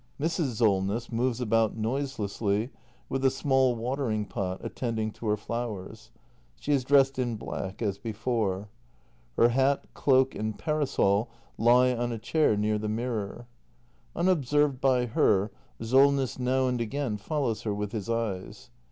Mrs. Solness moves about noiselessly with a small watering pot, attending to her flowers. She is dressed in black as before. Her hat, cloak and parasol lie on a chair near the mirror. Unobserved by her, Solness noiv and again follows her with his eyes.